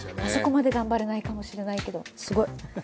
あそこまで頑張れないかもしれないけど、すごい。